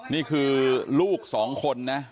นี่คือลูกสองคนนะ